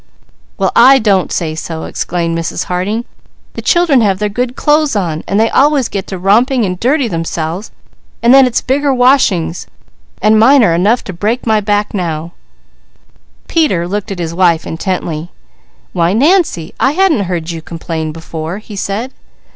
"Well, I don't say so!" exclaimed Mrs. Harding. "The children have their good clothes on and they always get to romping and dirty themselves and then it's bigger washings and mine are enough to break my back right now." Peter looked at his wife intently. "Why Nancy, I hadn't heard you complain before!" he said.